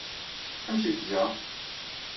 Amek ay iga?